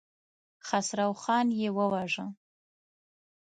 خسروخان يې وواژه.